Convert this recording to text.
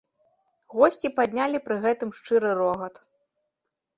Госці паднялі пры гэтым шчыры рогат.